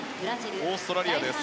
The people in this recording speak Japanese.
オーストラリアです。